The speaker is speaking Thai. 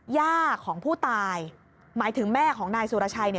ย่าของผู้ตายหมายถึงแม่ของนายสุรชัย